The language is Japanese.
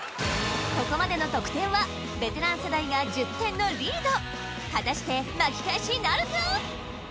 ここまでの得点はベテラン世代が１０点のリード果たして巻き返しなるか？